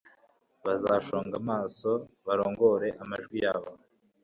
Bazashonga amaso barongore amajwi yabo